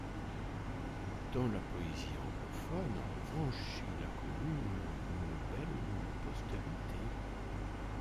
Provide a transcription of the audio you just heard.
Dans la poésie anglophone, en revanche, il a connu une belle postérité.